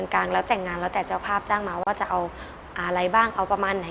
กลางแล้วแต่งงานแล้วแต่เจ้าภาพจ้างมาว่าจะเอาอะไรบ้างเอาประมาณไหน